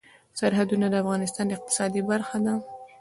سرحدونه د افغانستان د اقتصاد برخه ده.